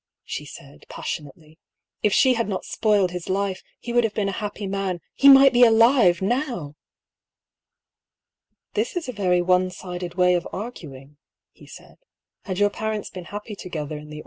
she said, passionately. "If she had not spoiled his life, he would have been a happy man — he might be alive, now !" "This is a very onesided way of arguing," he said. "Had your parents been happy together in the 120 I>R. PAULL'S THEORY.